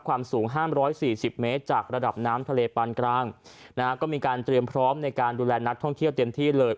ความสูงห้ามร้อยสี่สิบเมตรจากระดับน้ำทะเลปานกลางนะฮะก็มีการเตรียมพร้อมในการดูแลนักท่องเที่ยวเต็มที่เลย